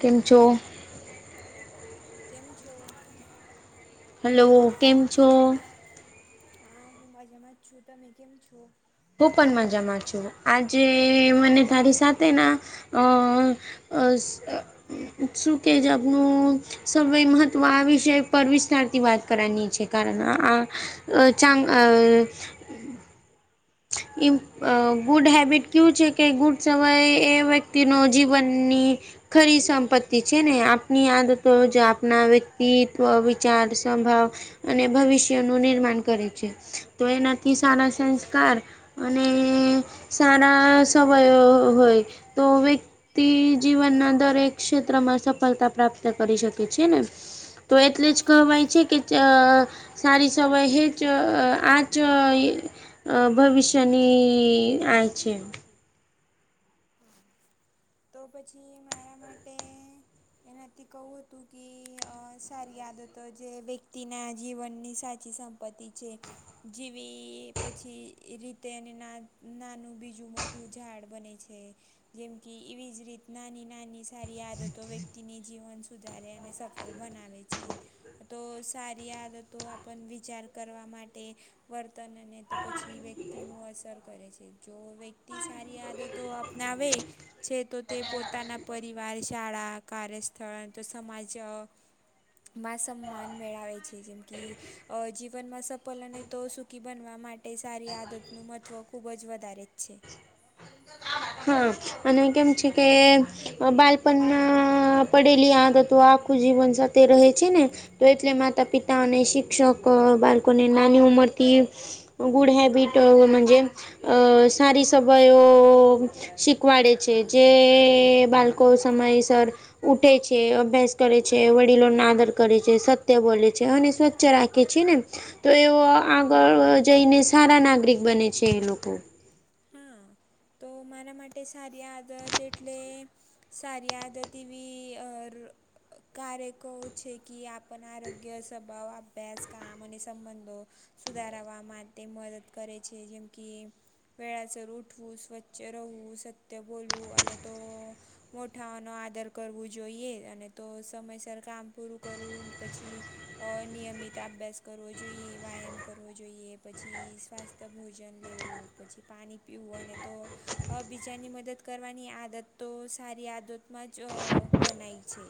કેમ છો. કેમ છો. હલો કેમ છો. હા હું મજામાં જ છું તમે કેમ છો. હું પણ મજામાં છું આજે મને તારી સાથે ના અ શું કેજ આપનું સય મહત્વ આ વિષ પર વિસ્તારથી વાત કરવાની છે, કારણ આ અ ચા અ ઇમ ગુડ હેબિટ કયુ છે કે ગુડ સયે એ વ્યક્તિનો જીવનની ખરી સંપત્તિ છે ને આપની આદતો જો આપણા વ્યક્તિત્વ વિચાર સંભાવ અને ભવિષ્યનુંું નિર્માણ કરે છે, તો એનાથી સારા સંસ્કાર અને સારા સમય હોય તો તે જીવનના દરેક ક્ષેત્રમાં સફળતા પ્રાપ્ત કરી શકે છે ને તો એટલે જ કહેવાય છે કે સારી સવાય હ જ આ જ ભવિષ્યની આ છે. [inaudible] તો પછી મારા માટે એનાથી કહું હતું કે સારી આદતો જે વ્યક્તિના જીવનની સાચી સં પતિ છે. જેીવી પછી રીતે અને ના નાનું બીજું મોટું ઝાડ બને છે. જેમ કે એવી જ રીત નાની નાની સારી આદતો વ્યક્તિને જીવન સુધારે અને સફળ બનાવે છે. તો સારી આદતો આપને વિચાર કરવા માટે વર્તન અને તો પછી વ્યક્તિ ન અસર કરે છે જો વ્યક્તિ સારી આદત તો આપને આવે છે તો તે પોતાના પરિવાર શાળા કાર્યસ્થળ તો સમાજ માં સમાન મેળવે છે જેમ કે અ જીવનમાં સફલ અને તો સુકીી બનવા માટે સારી આદતનું મહત્ત્વ ખૂબ જ વધારે જ છે. હા અને કેમ છે કે બાળપણમાં પડેલી આદતો આખું જીવન સાથે રહે છેને. તો એટલે માતા પિતા અને શિક્ષક બાળકોને નાની ઉંમરથી. ગુડ હેબિટજ અ સારી સવાઈ શીખવાડે છે જે બાળકો સમયસર ઉઠે છે અભ્યાસ કરે છે વડીલો નાદર કરે છે સત્ય બોલે છે, અને સ્ ્ રાખે છે ને તો એ આગળ જઈને સારા નાગરિક બને છે, એ લોકો. [inaudible] તો મારા માટે સારી આદત એટલે સારી આદતીવી કાર્યકોું છે કે આપણ આરોગ્ય સ્વભાવ અભ્યાસ કામ અને સંબંધો સુધારાવા માટે મદદ કરે છે જેમ કે વ અસર ઉઠવું સ્વચ્છ રહેવું સત્ય બોલવું અને તો મોઠાઓનોો આદર કરવો જોઈએ અને તો સમયસર કામ પૂરું કરવું પછી. અ નિયમિત અભ્યાસ કરવો જોઈએ વ્યાયામ કરવો જોઈએ પછી સ્સ્થ તો ભોજન લેવું પછી પાણી પીવું અને તો અ બીજાની મદદ કરવાની આદત તો સારી આદતમાં જ ગનાય છે.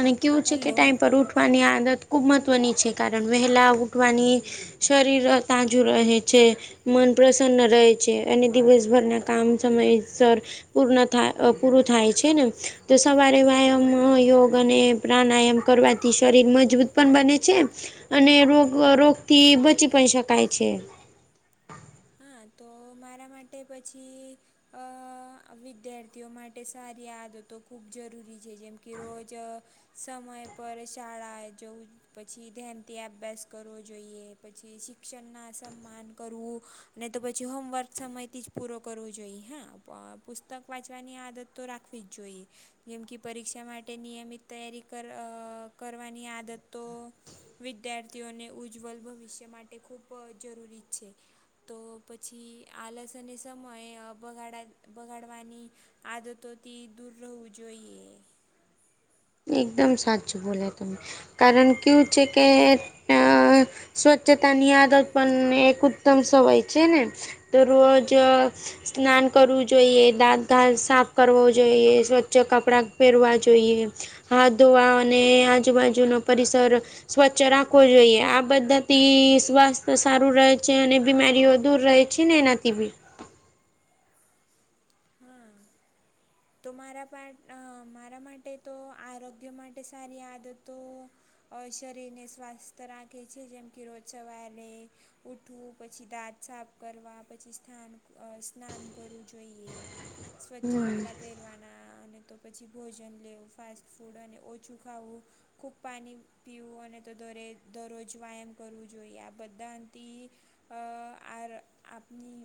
અને કેવું છે કે ટાઈમ પર ઉઠવાની આદત ખૂબ મહત્ત્વની છે કારણ વહેલા ઊઠવાની શરીર તાજું રહે છે, મન પ્રસન્ન રહે છે અને દિવસભરના કામ સમયસર પૂર્ થાય પૂરું થાય છે. છે ને તો સવારે વ્યાયામ યોગ. અને પ્રાણાયામ કરવાથી શરીર મજબૂત પણ બને છે. અને રોગ રોગથી બચી પણ શકાય છે. હા તો મારા માટે પછી અ વિદ્યાર્થીઓ માટે સારી આદતો ખૂબ જરૂરી છે જેમ કે રોજ સમય પર શાળાએ જવું પછી ધાનથી અબ્યાસ કરવો જોઈએ, પછી શિક્ષણ ના સન્માન કરવું નઈ તો પછી હોમવર્ક સમયથી જ પૂરો કરવો જોઈએ હ, પુસ્તક વાંચવાની આદત તો રાખવી જ જોઈએ. એમ કે પરીક્ષા માટે નિયમિત તૈયારી કર કરવાની આદતો વિદ્યાર્થીઓને ઉજ્જવલ ભવિષ્ય માટે ખૂબ જરૂરી છે. તો પછી આલસ અને સમય બગાડા બગાડવાની આદતોથી દૂર રહેવું જોઈએ. એકદમ સાચું બોલે તુ કારણ કેવું છે કે, અ સ્વચ્છતા ની આદત પણ એક ઉત્તમ સવય છે ને તો રોજ અ સ્નાન કરવું જોઈએ, દાંત ઘાાસ સાફ કરવો જોઈએ, સ્વચ્છ કપડા પેરવા જોઈએ, હાથ ધોવા અને આજુબાજુનો પરિસર સ્વચ્છ રાખવો જોઈએ. આ બધાથી સ્વાસ્થ્ય સારું રહે છે અને બીમારીઓ દૂર રહે. છી ને એનાથી બી. હમ્મ. તો મારા બા મારા માટે તો આરોગ્ય માટે સારી આદતો અ શરીરને સ્વાસ્થ્ય રાખે છે. જેમ કે રોજ સવારે ઉઠવું પછી દાંત સાફ કરવા પછી સ્થાન અ સ્નાન કરવું જોઈએ. સ્વચ્છ હમ કપડા હેરવાના અને તો પછી ભોજન લેવું ફાસ્ટ ફૂડ અને ઓછું ખાવું. ખૂબ પાણી પીવું અને તો દરે દરરોજ વાયામ કરવું જોઈએ આ બધાથી અ આર આપની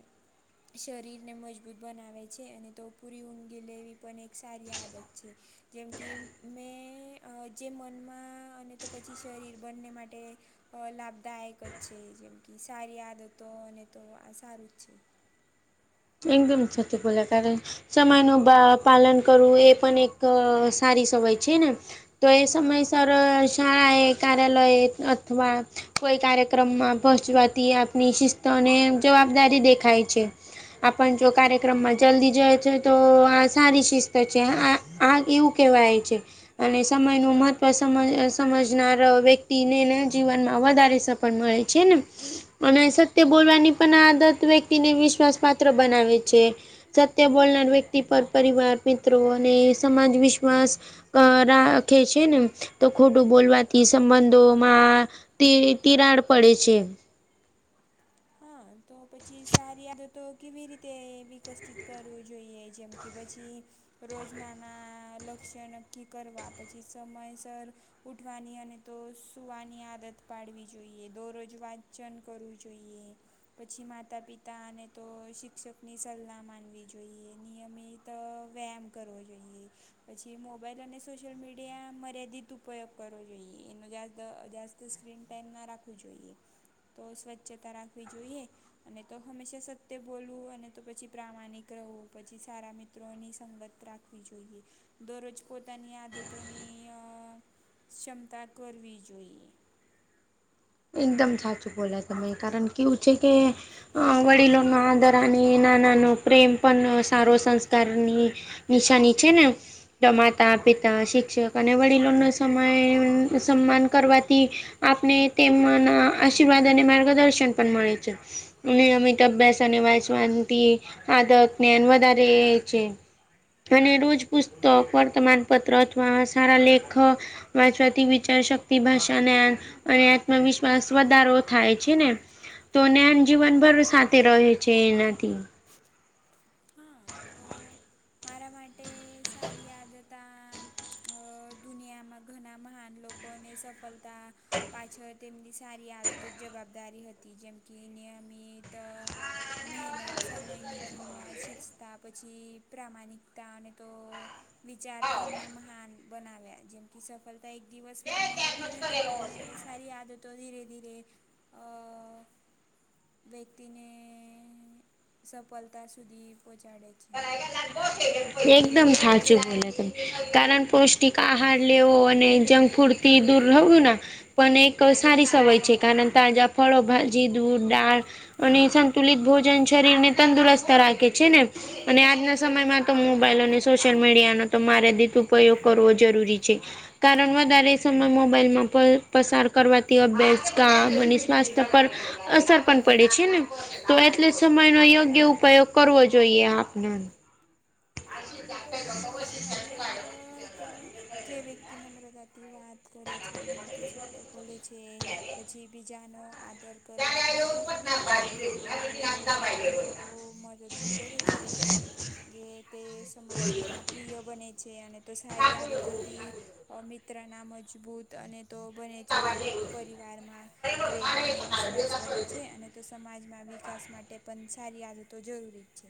શરીરને મજબૂત બનાવે છે અને તો પૂરી ઊ ગિલેવી પણ એક સારી આદત છે. જેમ કે મેં જે મનમાં અને તો પછી શરીર બંને માટે અ લાભદાયક જ છે. જેમ કે, સારી આદતો અને તો આ સારું જ છે. એકદમ છતી બોલા કરે. સમય નું બા પાલન કરવું એ પણ એક સારી સમય છે ને. તો એ સમય સરર શાળાએ કાર્યાલય અથવા કોઈ કાર્યક્રમમાં પહોચવાથી આપની શિસ્ત અને જવાબદારી દેખાય છે. આપણ જો કાર્યક્રમમાં જલ્દી જઈ છે, તો આ સારી શિસ્ત છે. આ આ કેવું કેવાય છે? અને સમયનું મહત્વ સમજ સમજનાર વ્યક્તિને જીવનમાં વધારે સ પણ મળે છેને અને સત્ય બોલવાની પણ આદત વ્યક્તિને વિશ્વાસ પા ત્ર બનાવે છે. સત્ય બોલનાર વ્યક્તિ પર પરિવાર મિત્રો અને સમાજ વિશ્વાસ અ રાખે છેને, તો ખોટું બોલવાથી સંબંધોમાં તિ તિરાડ પડે છે. તો પછી સારી આદતો કેવી રીતે વિકાસિત કરવું જોઈએ. જેમ કે પછી રોજ નાના લક્ષ્ય નક્કી કરવા પછી સમયસર ઉઠવાની અને તો સુવાની આદત પાડવી જોઈએ, દોરોજ વાંચન કરવું જોઈએ. પછી માતા-પિતા અને તો શિક્ષકની સલાહ માનવી જોઈએ. નિયમિ ત વ્યાયામ કરવો જોઈએ. પછી મોબાઈલ અને સોશિયલ મીડિયા મર્યાદિત ઉપયોગ કરવો જોઈએ. એનો જાદ જા સ્ક્રીન ટાઈમ ન રાખું જોઈએ, તો સ્વચ્છતા રાખવી જોઈએ. અને તો હંમેશા સત્ય બોલવું અને તો પછી પ્રામાણિક રહવું, પછી સારા મિત્ર ની સંગત રાખવી જોઈએ દરરોજ પોતાની આદતોની ક્ષમતા કરવી જોઈએ. એકદમ સાચું બોલા તમે કારણ કેવું છે કે વડીલોનો આદર ના, નાનો પ્રેમ પણ સારો સંસ્કારની નિશાની છે, ને તો માતા-પિતા શિક્ષક અને વડીલોનો સમય સન્માન કરવાથી આપને તેમના આશીર્વાદ અને માર્ગદર્શન પણ મળે છે. નિયમિત અભ્યાસ અને વાંચવાથી આદત જ્ઞાન વધારે છે. અને રોજ પુસ્તક વર્તમાનપત્ર અથવા સારા લેખક માથી વિચાર શક્તિ, ભાષા, જ્ઞાન અને ન વિશ્વાસ વધારો થાય છે ને. તો ને જીવનભર સાથે રહે છે, એનાથી [inaudible] મારા માટે સારી આદત ત દુનિયામાં ઘણા મહાન લોકોને સફળતા પાછળ તેમની સારી આદતો જ જવાબદારી હતી જેમ કે નિયમિત મહેનત સમયની કિંમત શિસ્તા પછી પ્રામાણિકતા અને તો વિચાર તેમના મહાન બનાવ્યા જેમ કે સફળતા એક દિવસમાં મળતી નથી પણ સારી આદતો ધીરે-ધીરે [inaudible] વ્યક્તિને સફળતા સુધી પહોંચાડે છે. એકદમ સાચું તમે કારણ પૌષ્ટિક આહાર લેવો અને જંક ફૂડ તી દૂર રહું ના પણ એક સારી સવાય છે, કારણ તાજા ફળો, ભાજી, દૂધ, ડાળ અને સંતુલિત ભોજન શરીરને તંદુરસ્ત રાખે છે, ને અને આજના સમયમાં તો મોબાઈલ અને સોશિયલ મીડિયાનો તો માર્યાદિત ઉપયોગ કરવો જરૂરી છે. કારણ વધારે સમય મોબાઈલમાં પસાર કરવાથી અભ્યાસ કામ બની સ્વાસ્થ્ય પર અસર પણ પડે છે, ને. તો એટલે સમયનો યોગ્ય ઉપાયગ કરવો જોઈએ આપણે. [inaudible] સારી આદત તો જે વ્યક્તિ નમ્ર જતી વાત કરે છે જેમ કે સત્ય બોલે છે, પછી બીજાનો આદર કરે છે. અને તો મદદ બી કરે છે. જે તે સમાજમાં પ્રિય બને છે અને તો સારી આદતોથી મિત્રના મજબૂત અને તો બને છે એમ કે પરિવારમાં પ્રેમ અને વિશ્વાસ વધે છે અને તો સમાજના વિકાસ માટે પણ સારી આદતો જરૂરી જ છે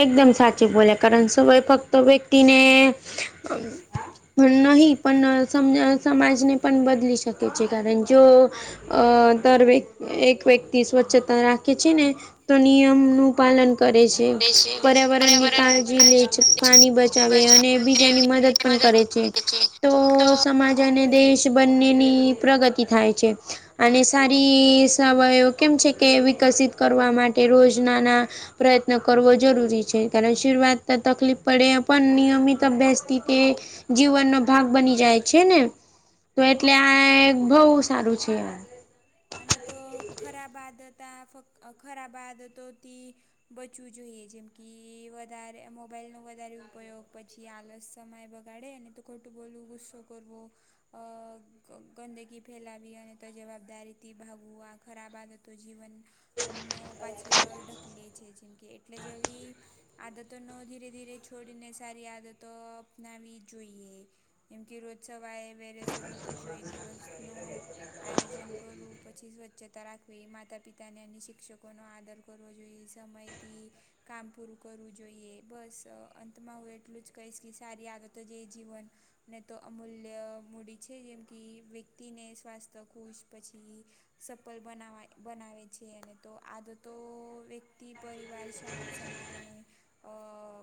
એકદમ સાચી બોલે કારણ શું ફક્ત વ્યક્તિને નહીં પણ સમાજને પણ બદલી શકે છે કારણ જો અ દરવેક એક વ્યક્તિ સ્વચ્છતા રાખે છે ને તો નિયમનું પાલન કરે છે. તે પર્યાવરણ ની કાળજી લે છે કાળજી પાણી બચાવે અને બચાવને બીજાની મદદ પણ કરે છે. તો સમાજ અને દેશ બંનેની પ્રગતિ થાય છે. અને સારી સવાયો કેમ છે કે વિકાસિત કરવા માટે રોજનાના પ્રયત્ ત્ન કરવો જરૂરી છે કારણ શીર્વાદ શરૂઆત તો તકલીફ પડે પણ નિયમિત અભ્યાસથી તે જીવનનો ભાગ બની જાય છે ને તો એટલે આ એ બઉ સારું છે. અને તો ખરાબ આદતા ફક્ હખર આદતો થી બચવું જોઈએ જેમ કે વધારે મોબાઈલનો વધારે ઉપયોગ પછી આલસ સમય બગાડે અને તું ખોટું બોલું ગુસ્સો કરવો ગંદગી ફેલાવી અને અને ત જવાબદારી ભાગુ આ ખરાબ આદતો જીવન અનો પાછળ ઢકલે છે જેમ કે એટલે જ અવી આદતો નો ધીરે ધીરે છોડીને સારી આદતો અપનાવી જોઈએ. એમ કે રોજ સવારે વેલેસર ઉઠું જોઈ એ દિવસ નો આયોજન કરું પછી સ્વચ્છતા રાખવી માતા પિતાને અને શિક્ષકોનો આદર કરવો જોઈએ સમયથી કામ પૂરું કરવું જોઈએ બસ અંતમાં હું એટલું જ કહીશ કે સારી આદતો થી જીવન ને તો અમૂલ્ય મૂડી છે જેમ કે વ્યક્તિને સ્વાસ્થ્ય ખુશ પછી સફલ બનાવા બનાવે છે અને તો આજ તો વ્યક્તિ પરિવાર છે. ક્યા સમાજ અને અ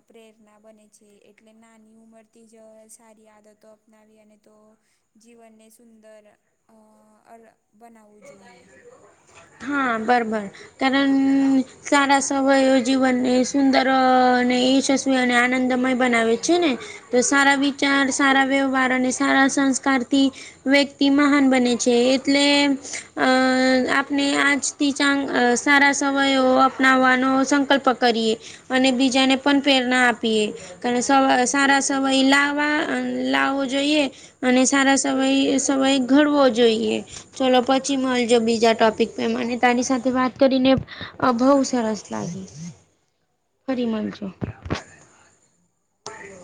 પ્રેરણા બને છે એટલે નાની ઉંમરથી જ સારી આદતો અપનાવી અને તો જીવનને સુંદર અ બનાવવું જોઈએ. હા બરબર. કારણ સારા સવયો જીવનને સુંદરને શસ્ અને આનંદમય બનાવે છે ને. જો સારા વિચાર સારા વ્યવહાર અને સારા સંસ્કારથી વ્યક્તિ મહાન બને છે એટલે અ ને આજથી ચાંગ અ સારાસ સમયો અપનાવાનો સંકલ્પ કરીએ અને બીજાને પણ પ્રેરણા આપીએ. કાલે સવારો સારા સમયે લાવા અને લાવો જોઈએ અને સારા સવયે સવયે ઘડવો જોઈએ. ચલો પછી મળજો બીજા ટપ, અને તારી સાથે વાત કરીને બહું સરસ લાગે. ફરી મલજે. બાય.